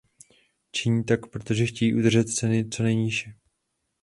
Činí tak, protože chtějí udržet ceny co nejníže.